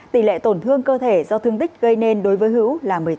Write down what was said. tỷ lệ tổn thương cơ thể do thương tích gây nên đối với hữu là một mươi sáu